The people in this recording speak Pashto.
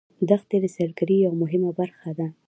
دښتې د سیلګرۍ یوه مهمه برخه ده.